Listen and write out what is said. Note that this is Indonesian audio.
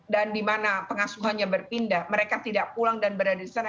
dan di mana pengasuhannya berpindah mereka tidak pulang dan berada di sana